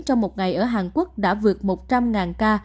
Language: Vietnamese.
trong một ngày ở hàn quốc đã vượt một trăm linh ca